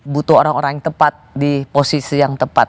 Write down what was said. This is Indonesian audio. butuh orang orang yang tepat di posisi yang tepat